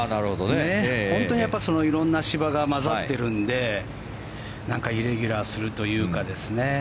本当に色んな芝が混ざっているんでなんかイレギュラーするというか。